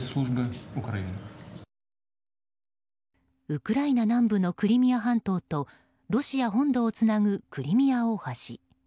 ウクライナ南部のクリミア半島とロシア本土をつなぐクリミア大橋。